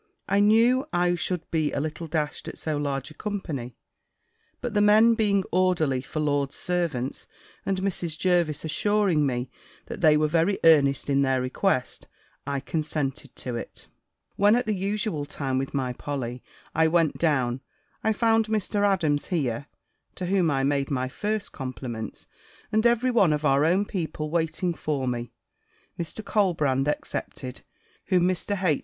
I knew I should be a little dashed at so large a company; but the men being orderly for lords' servants, and Mrs. Jervis assuring me that they were very earnest in their request, I consented to it. When, at the usual time, (with my Polly) I went down, I found Mr. Adams here (to whom I made my first compliments), and every one of our own people waiting for me, Mr. Colbrand excepted (whom Mr. H.